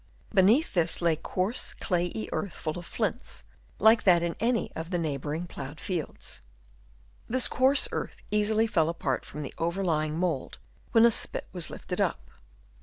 Beneath this lay coarse clayey earth full of flints, like that in any of the neighbouring ploughed fields. This coarse earth easily fell apart from the overlying mould when a spit was lifted up.